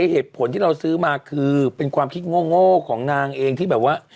เหตุผลที่เราซื้อมาคือเป็นความคิดโง่ของนางเองที่แบบว่า